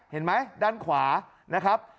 เห็นไหมด้านขวานะครับ